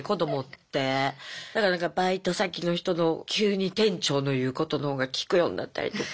だからなんかバイト先の人の急に店長の言うことのほうが聞くようになったりとか。